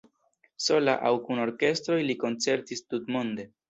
Sola aŭ kun orkestroj li koncertis tutmonde.